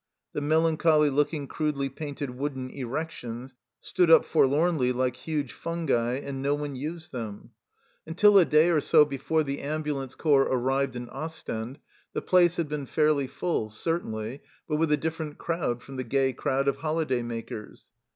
The melancholy looking crudely painted wooden erections stood up forlornly like huge fungi, and no one used them. THE START 9 Until a day or so before the ambulance corps arrived in Ostend the place had been fairly full, certainly, but with a different crowd from the gay crowd of holiday makers.